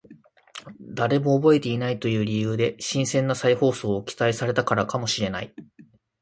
誰も覚えていないという理由で新鮮な再放送を期待されたからかもしれない